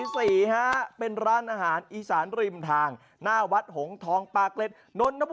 สวัสดีครับ